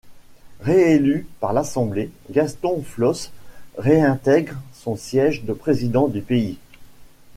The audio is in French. Réélu par l'Assemblée, Gaston Flosse réintègre son siège de président du Pays.